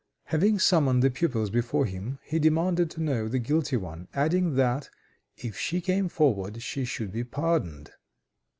Having summoned the pupils before him, he demanded to know the guilty one, adding that, if she came forward, she should be pardoned.